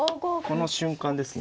この瞬間ですね